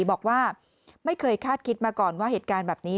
บอกว่าไม่เคยคาดคิดมาก่อนว่าเหตุการณ์แบบนี้